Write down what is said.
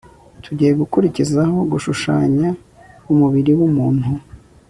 tugiye gukurikizaho gushushanya umubiri w'umuntu